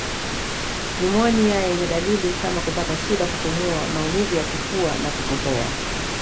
Nyumonia yenye dalili kama kupata shida kupumua maumivu ya kifua na kukohoa